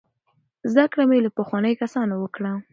زده کړه مې له پخوانیو کسانو وکړه.